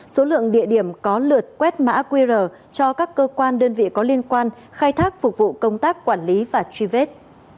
số lượng địa điểm có lượt quét mã qr cho các cơ quan đơn vị có liên quan khai thác phục vụ công tác quản lý và truy vết